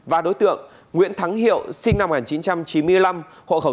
và đối tượng nguyễn thắng hiệu sinh năm một nghìn chín trăm chín mươi năm